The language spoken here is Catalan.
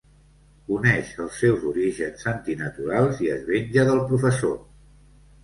Coneix els seus orígens antinaturals i es venja del professor.